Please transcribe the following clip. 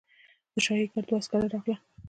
د شاهي ګارډ دوه عسکر راغلل.